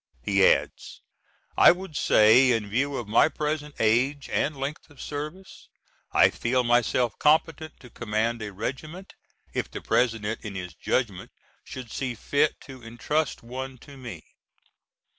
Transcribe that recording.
He adds, "I would say in view of my present age and length of service, I feel myself competent to command a regiment, if the President in his judgment should see fit to intrust one to me."